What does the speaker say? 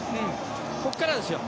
ここからですよ。